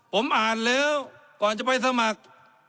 ผมอ่านแล้วก่อนจะไปสมัคร